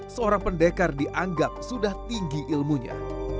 seorang pendekar dianggap sudah tinggi ilmunya